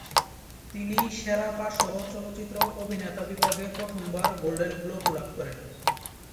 তিনিই সেরা পার্শ্ব চলচ্চিত্র অভিনেতা বিভাগে প্রথমবার গোল্ডেন গ্লোব লাভ করেন।